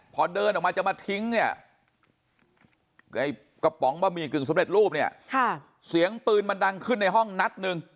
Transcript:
พอเดินออกมาจะมาทิ้งเนี่ยไอ้กระป๋องบะหมี่กึ่งสำเร็จรูปเนี่ยเสียงปืนมันดังขึ้นในห้องนัดหนึ่ง